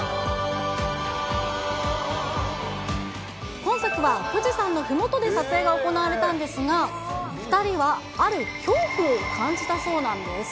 今作は、富士山のふもとで撮影が行われたんですが、２人はある恐怖を感じたそうなんです。